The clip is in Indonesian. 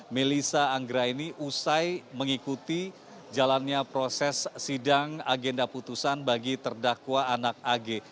melissa anggra ini usai mengikuti jalannya proses sidang agenda putusan bagi terdakwa anak ag